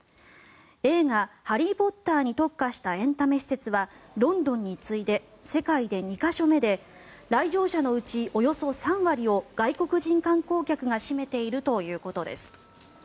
映画「ハリー・ポッター」に特化したエンタメ施設はロンドンに次いで世界で２か所目で来場者のうち、およそ３割を外国人観光客が占めているということです。